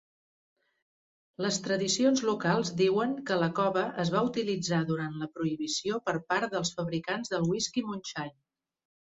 Les tradicions locals diuen que la cova es va utilitzar durant la prohibició per part dels fabricants del whisky moonshine.